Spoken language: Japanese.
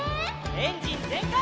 エンジンぜんかい！